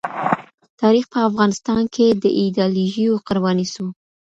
تاریخ په افغانستان کي د ایډیالوژیو قرباني سو.